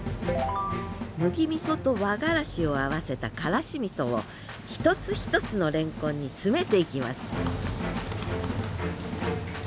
麦みそと和がらしを合わせたからしみそを一つ一つのレンコンに詰めていきます